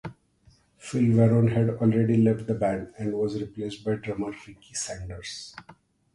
Phil Varone had already left the band and was replaced by drummer Ricky Sanders.